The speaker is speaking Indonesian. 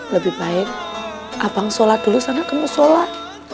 lebih baik abang sholat dulu sana kamu sholat